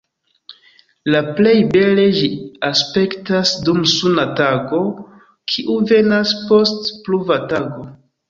La plej bele ĝi aspektas dum suna tago, kiu venas post pluva tago.